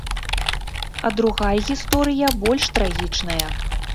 А другая гісторыя больш трагічная.